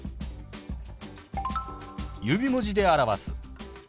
指文字で表す。